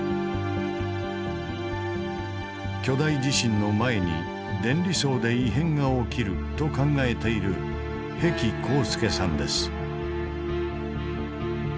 巨大地震の前に電離層で異変が起きると考えている日置幸介さんです。